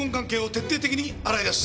徹底的に洗い出す。